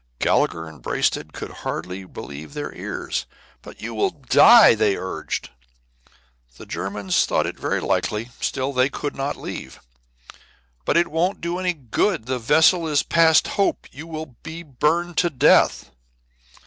Gallagher and Braisted could scarcely believe their ears. "But you will die!" they urged. The Germans thought it very likely; still they could not leave. "But it won't do any good; the vessel is past hope; you will be burned to death."